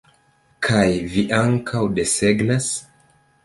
Kaj vi ankaŭ desegnas?